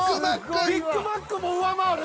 ビッグマックも上回る？